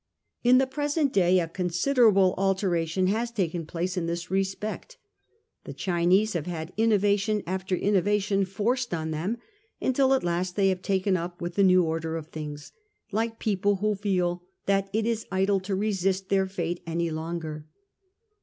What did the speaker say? In the present day a considerable alteration has taken place in this respect. The Chinese have had innovation after innovation forced on them, until at last they have taken up with the new order of things, like people who feel that it is idle to resist their fate any longer.